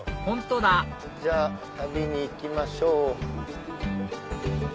本当だじゃあ旅に行きましょう。